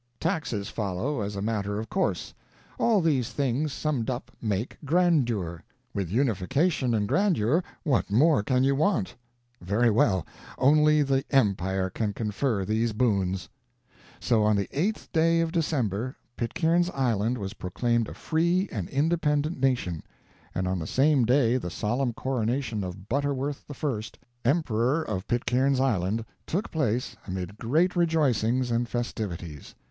Taxes follow, as a matter of course. All these things summed up make grandeur. With unification and grandeur, what more can you want? Very well only the empire can confer these boons." So on the 8th day of December Pitcairn's Island was proclaimed a free and independent nation; and on the same day the solemn coronation of Butterworth I, Emperor of Pitcairn's Island, took place, amid great rejoicings and festivities.